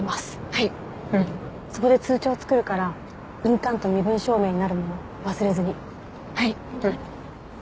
はいうんそこで通帳を作るから印鑑と身分証明になるもの忘れずにはいうん